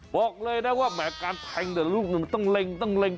บอกเลยนะว่าแหมการแพงเดี๋ยวลูกหนึ่งต้องเล็งต้องเล็ง